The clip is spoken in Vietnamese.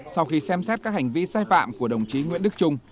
sau khi xem xét các hành vi sai phạm của đồng chí nguyễn đức trung